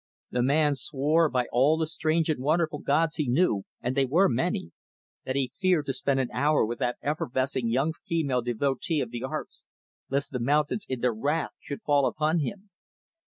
The man swore by all the strange and wonderful gods he knew and they were many that he feared to spend an hour with that effervescing young female devotee of the Arts lest the mountains in their wrath should fall upon him.